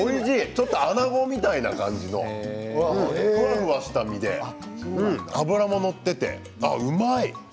ちょっと、あなごみたいな感じのふわふわした身で脂も乗っていてうまい！